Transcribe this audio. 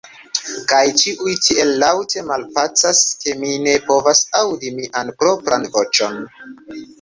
Kaj ĉiuj tiel laŭte malpacas, ke mi ne povas aŭdi mian propran voĉon.